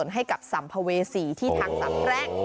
ให้กับสัมภเวษีที่ทางสามแพร่ง